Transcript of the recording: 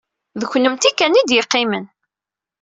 D kennemti kan ay d-yeqqimen.